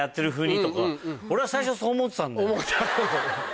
俺は最初そう思ってたんだよ。